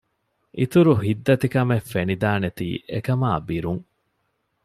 އިތުރު ހިތްދަތިކަމެއް ފެނިދާނެތީ އެކަމާ ބިރުން